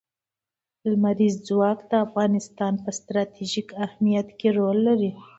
لمریز ځواک د افغانستان په ستراتیژیک اهمیت کې رول لري.